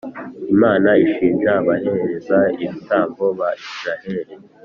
Imana ishinja abaherezabitambo ba Israheli